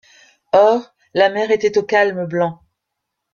Or, la mer était au calme blanc.